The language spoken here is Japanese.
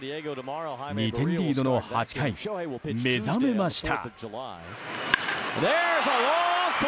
２点リードの８回目覚めました。